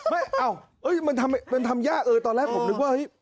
ไม่เอ้ามันทำยากตอนแรกผมนึกว่า